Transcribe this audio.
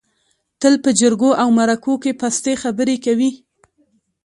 تل په جرګو او مرکو کې پستې خبرې کوي.